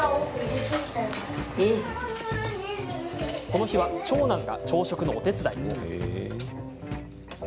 この日は、長男が朝食のお手伝い。